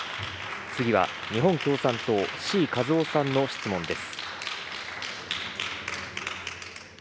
次は日本共産党、志位和夫さんの質問です。